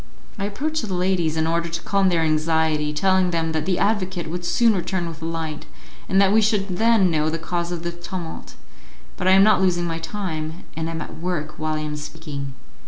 I approach the ladies in order to calm their anxiety, telling them that the advocate would soon return with a light, and that we should then know the cause of the tumult, but I am not losing my time, and am at work while I am speaking.